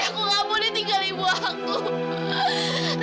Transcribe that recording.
aku ga boleh tinggalin ibu aku